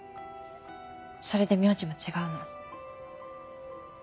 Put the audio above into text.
それで名字も違うの。